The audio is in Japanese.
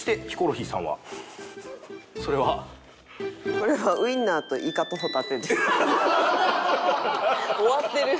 これはウインナーとイカとホタテです。